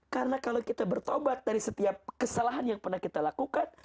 karena kalau kita bertobat dari setiap kesalahan yang pernah kita lakukan